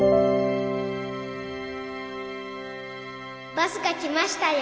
バスが来ましたよ。